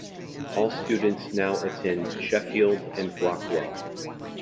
All students now attend Sheffield and Rockwell.